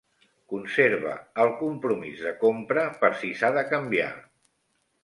Conserva el compromís de compra per si s'ha de canviar.